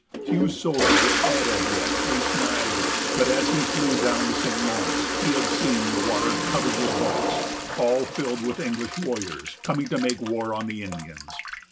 Few soldiers had as yet reached Niagara; but as he flew down the St. Lawrence, he had seen the water covered with boats, all filled with English warriors, coming to make war on the Indians.